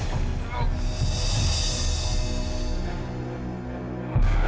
sini sini masuk masuk